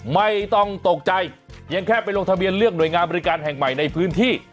ไม่ต้องตกใจเพียงแค่ไปลงทะเบียนเลือกหน่วยงานบริการแห่งใหม่ในพื้นที่